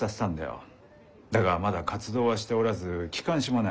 だがまだ活動はしておらず機関誌もない。